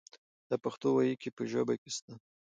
دا پښتو وييکي په ژبه کې سته.